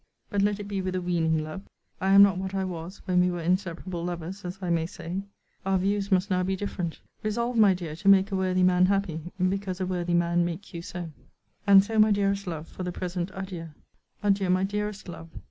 But let it be with a weaning love. I am not what I was, when we were inseparable lovers, as I may say. Our views must now be different Resolve, my dear, to make a worthy man happy, because a worthy man make you so. And so, my dearest love, for the present adieu! adieu, my dearest love!